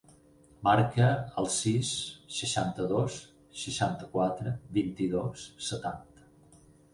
Marca el sis, seixanta-dos, seixanta-quatre, vint-i-dos, setanta.